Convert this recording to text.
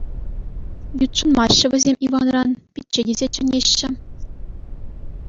Ютшӑнмаҫҫӗ вӗсем Иванран, пичче тесе чӗҫҫӗ.